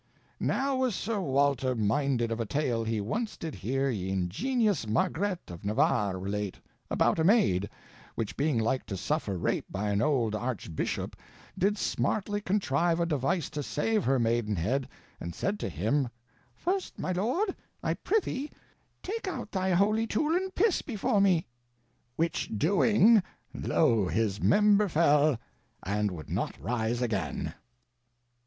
Now was Sr. Walter minded of a tale he once did hear ye ingenious Margrette of Navarre relate, about a maid, which being like to suffer rape by an olde archbishoppe, did smartly contrive a device to save her maidenhedde, and said to him, First, my lord, I prithee, take out thy holy tool and piss before me; which doing, lo his member felle, and would not rise again.